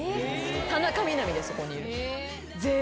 田中みな実でそこにいる。